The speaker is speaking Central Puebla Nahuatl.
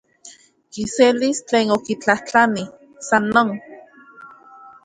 Kiselis tlen okitlajtlani, san non.